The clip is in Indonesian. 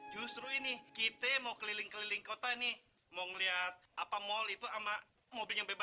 justru ini kita mau keliling keliling kota nih mau ngeliat apa mol itu ama mobil yang bebas